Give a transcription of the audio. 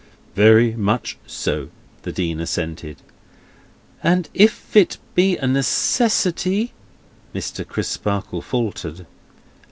"Very much so," the Dean assented. "And if it be a necessity—" Mr. Crisparkle faltered.